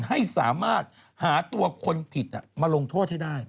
ให้สามารถหาตัวคนผิดมาลงโทษให้ได้